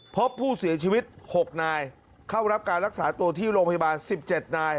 พบผู้เสียชีวิต๖นายเข้ารับการรักษาตัวที่โรงพยาบาล๑๗นาย